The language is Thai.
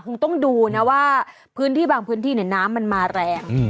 คุณต้องดูนะว่าบางพื้นที่เนี่ยน้ำมันมาแรง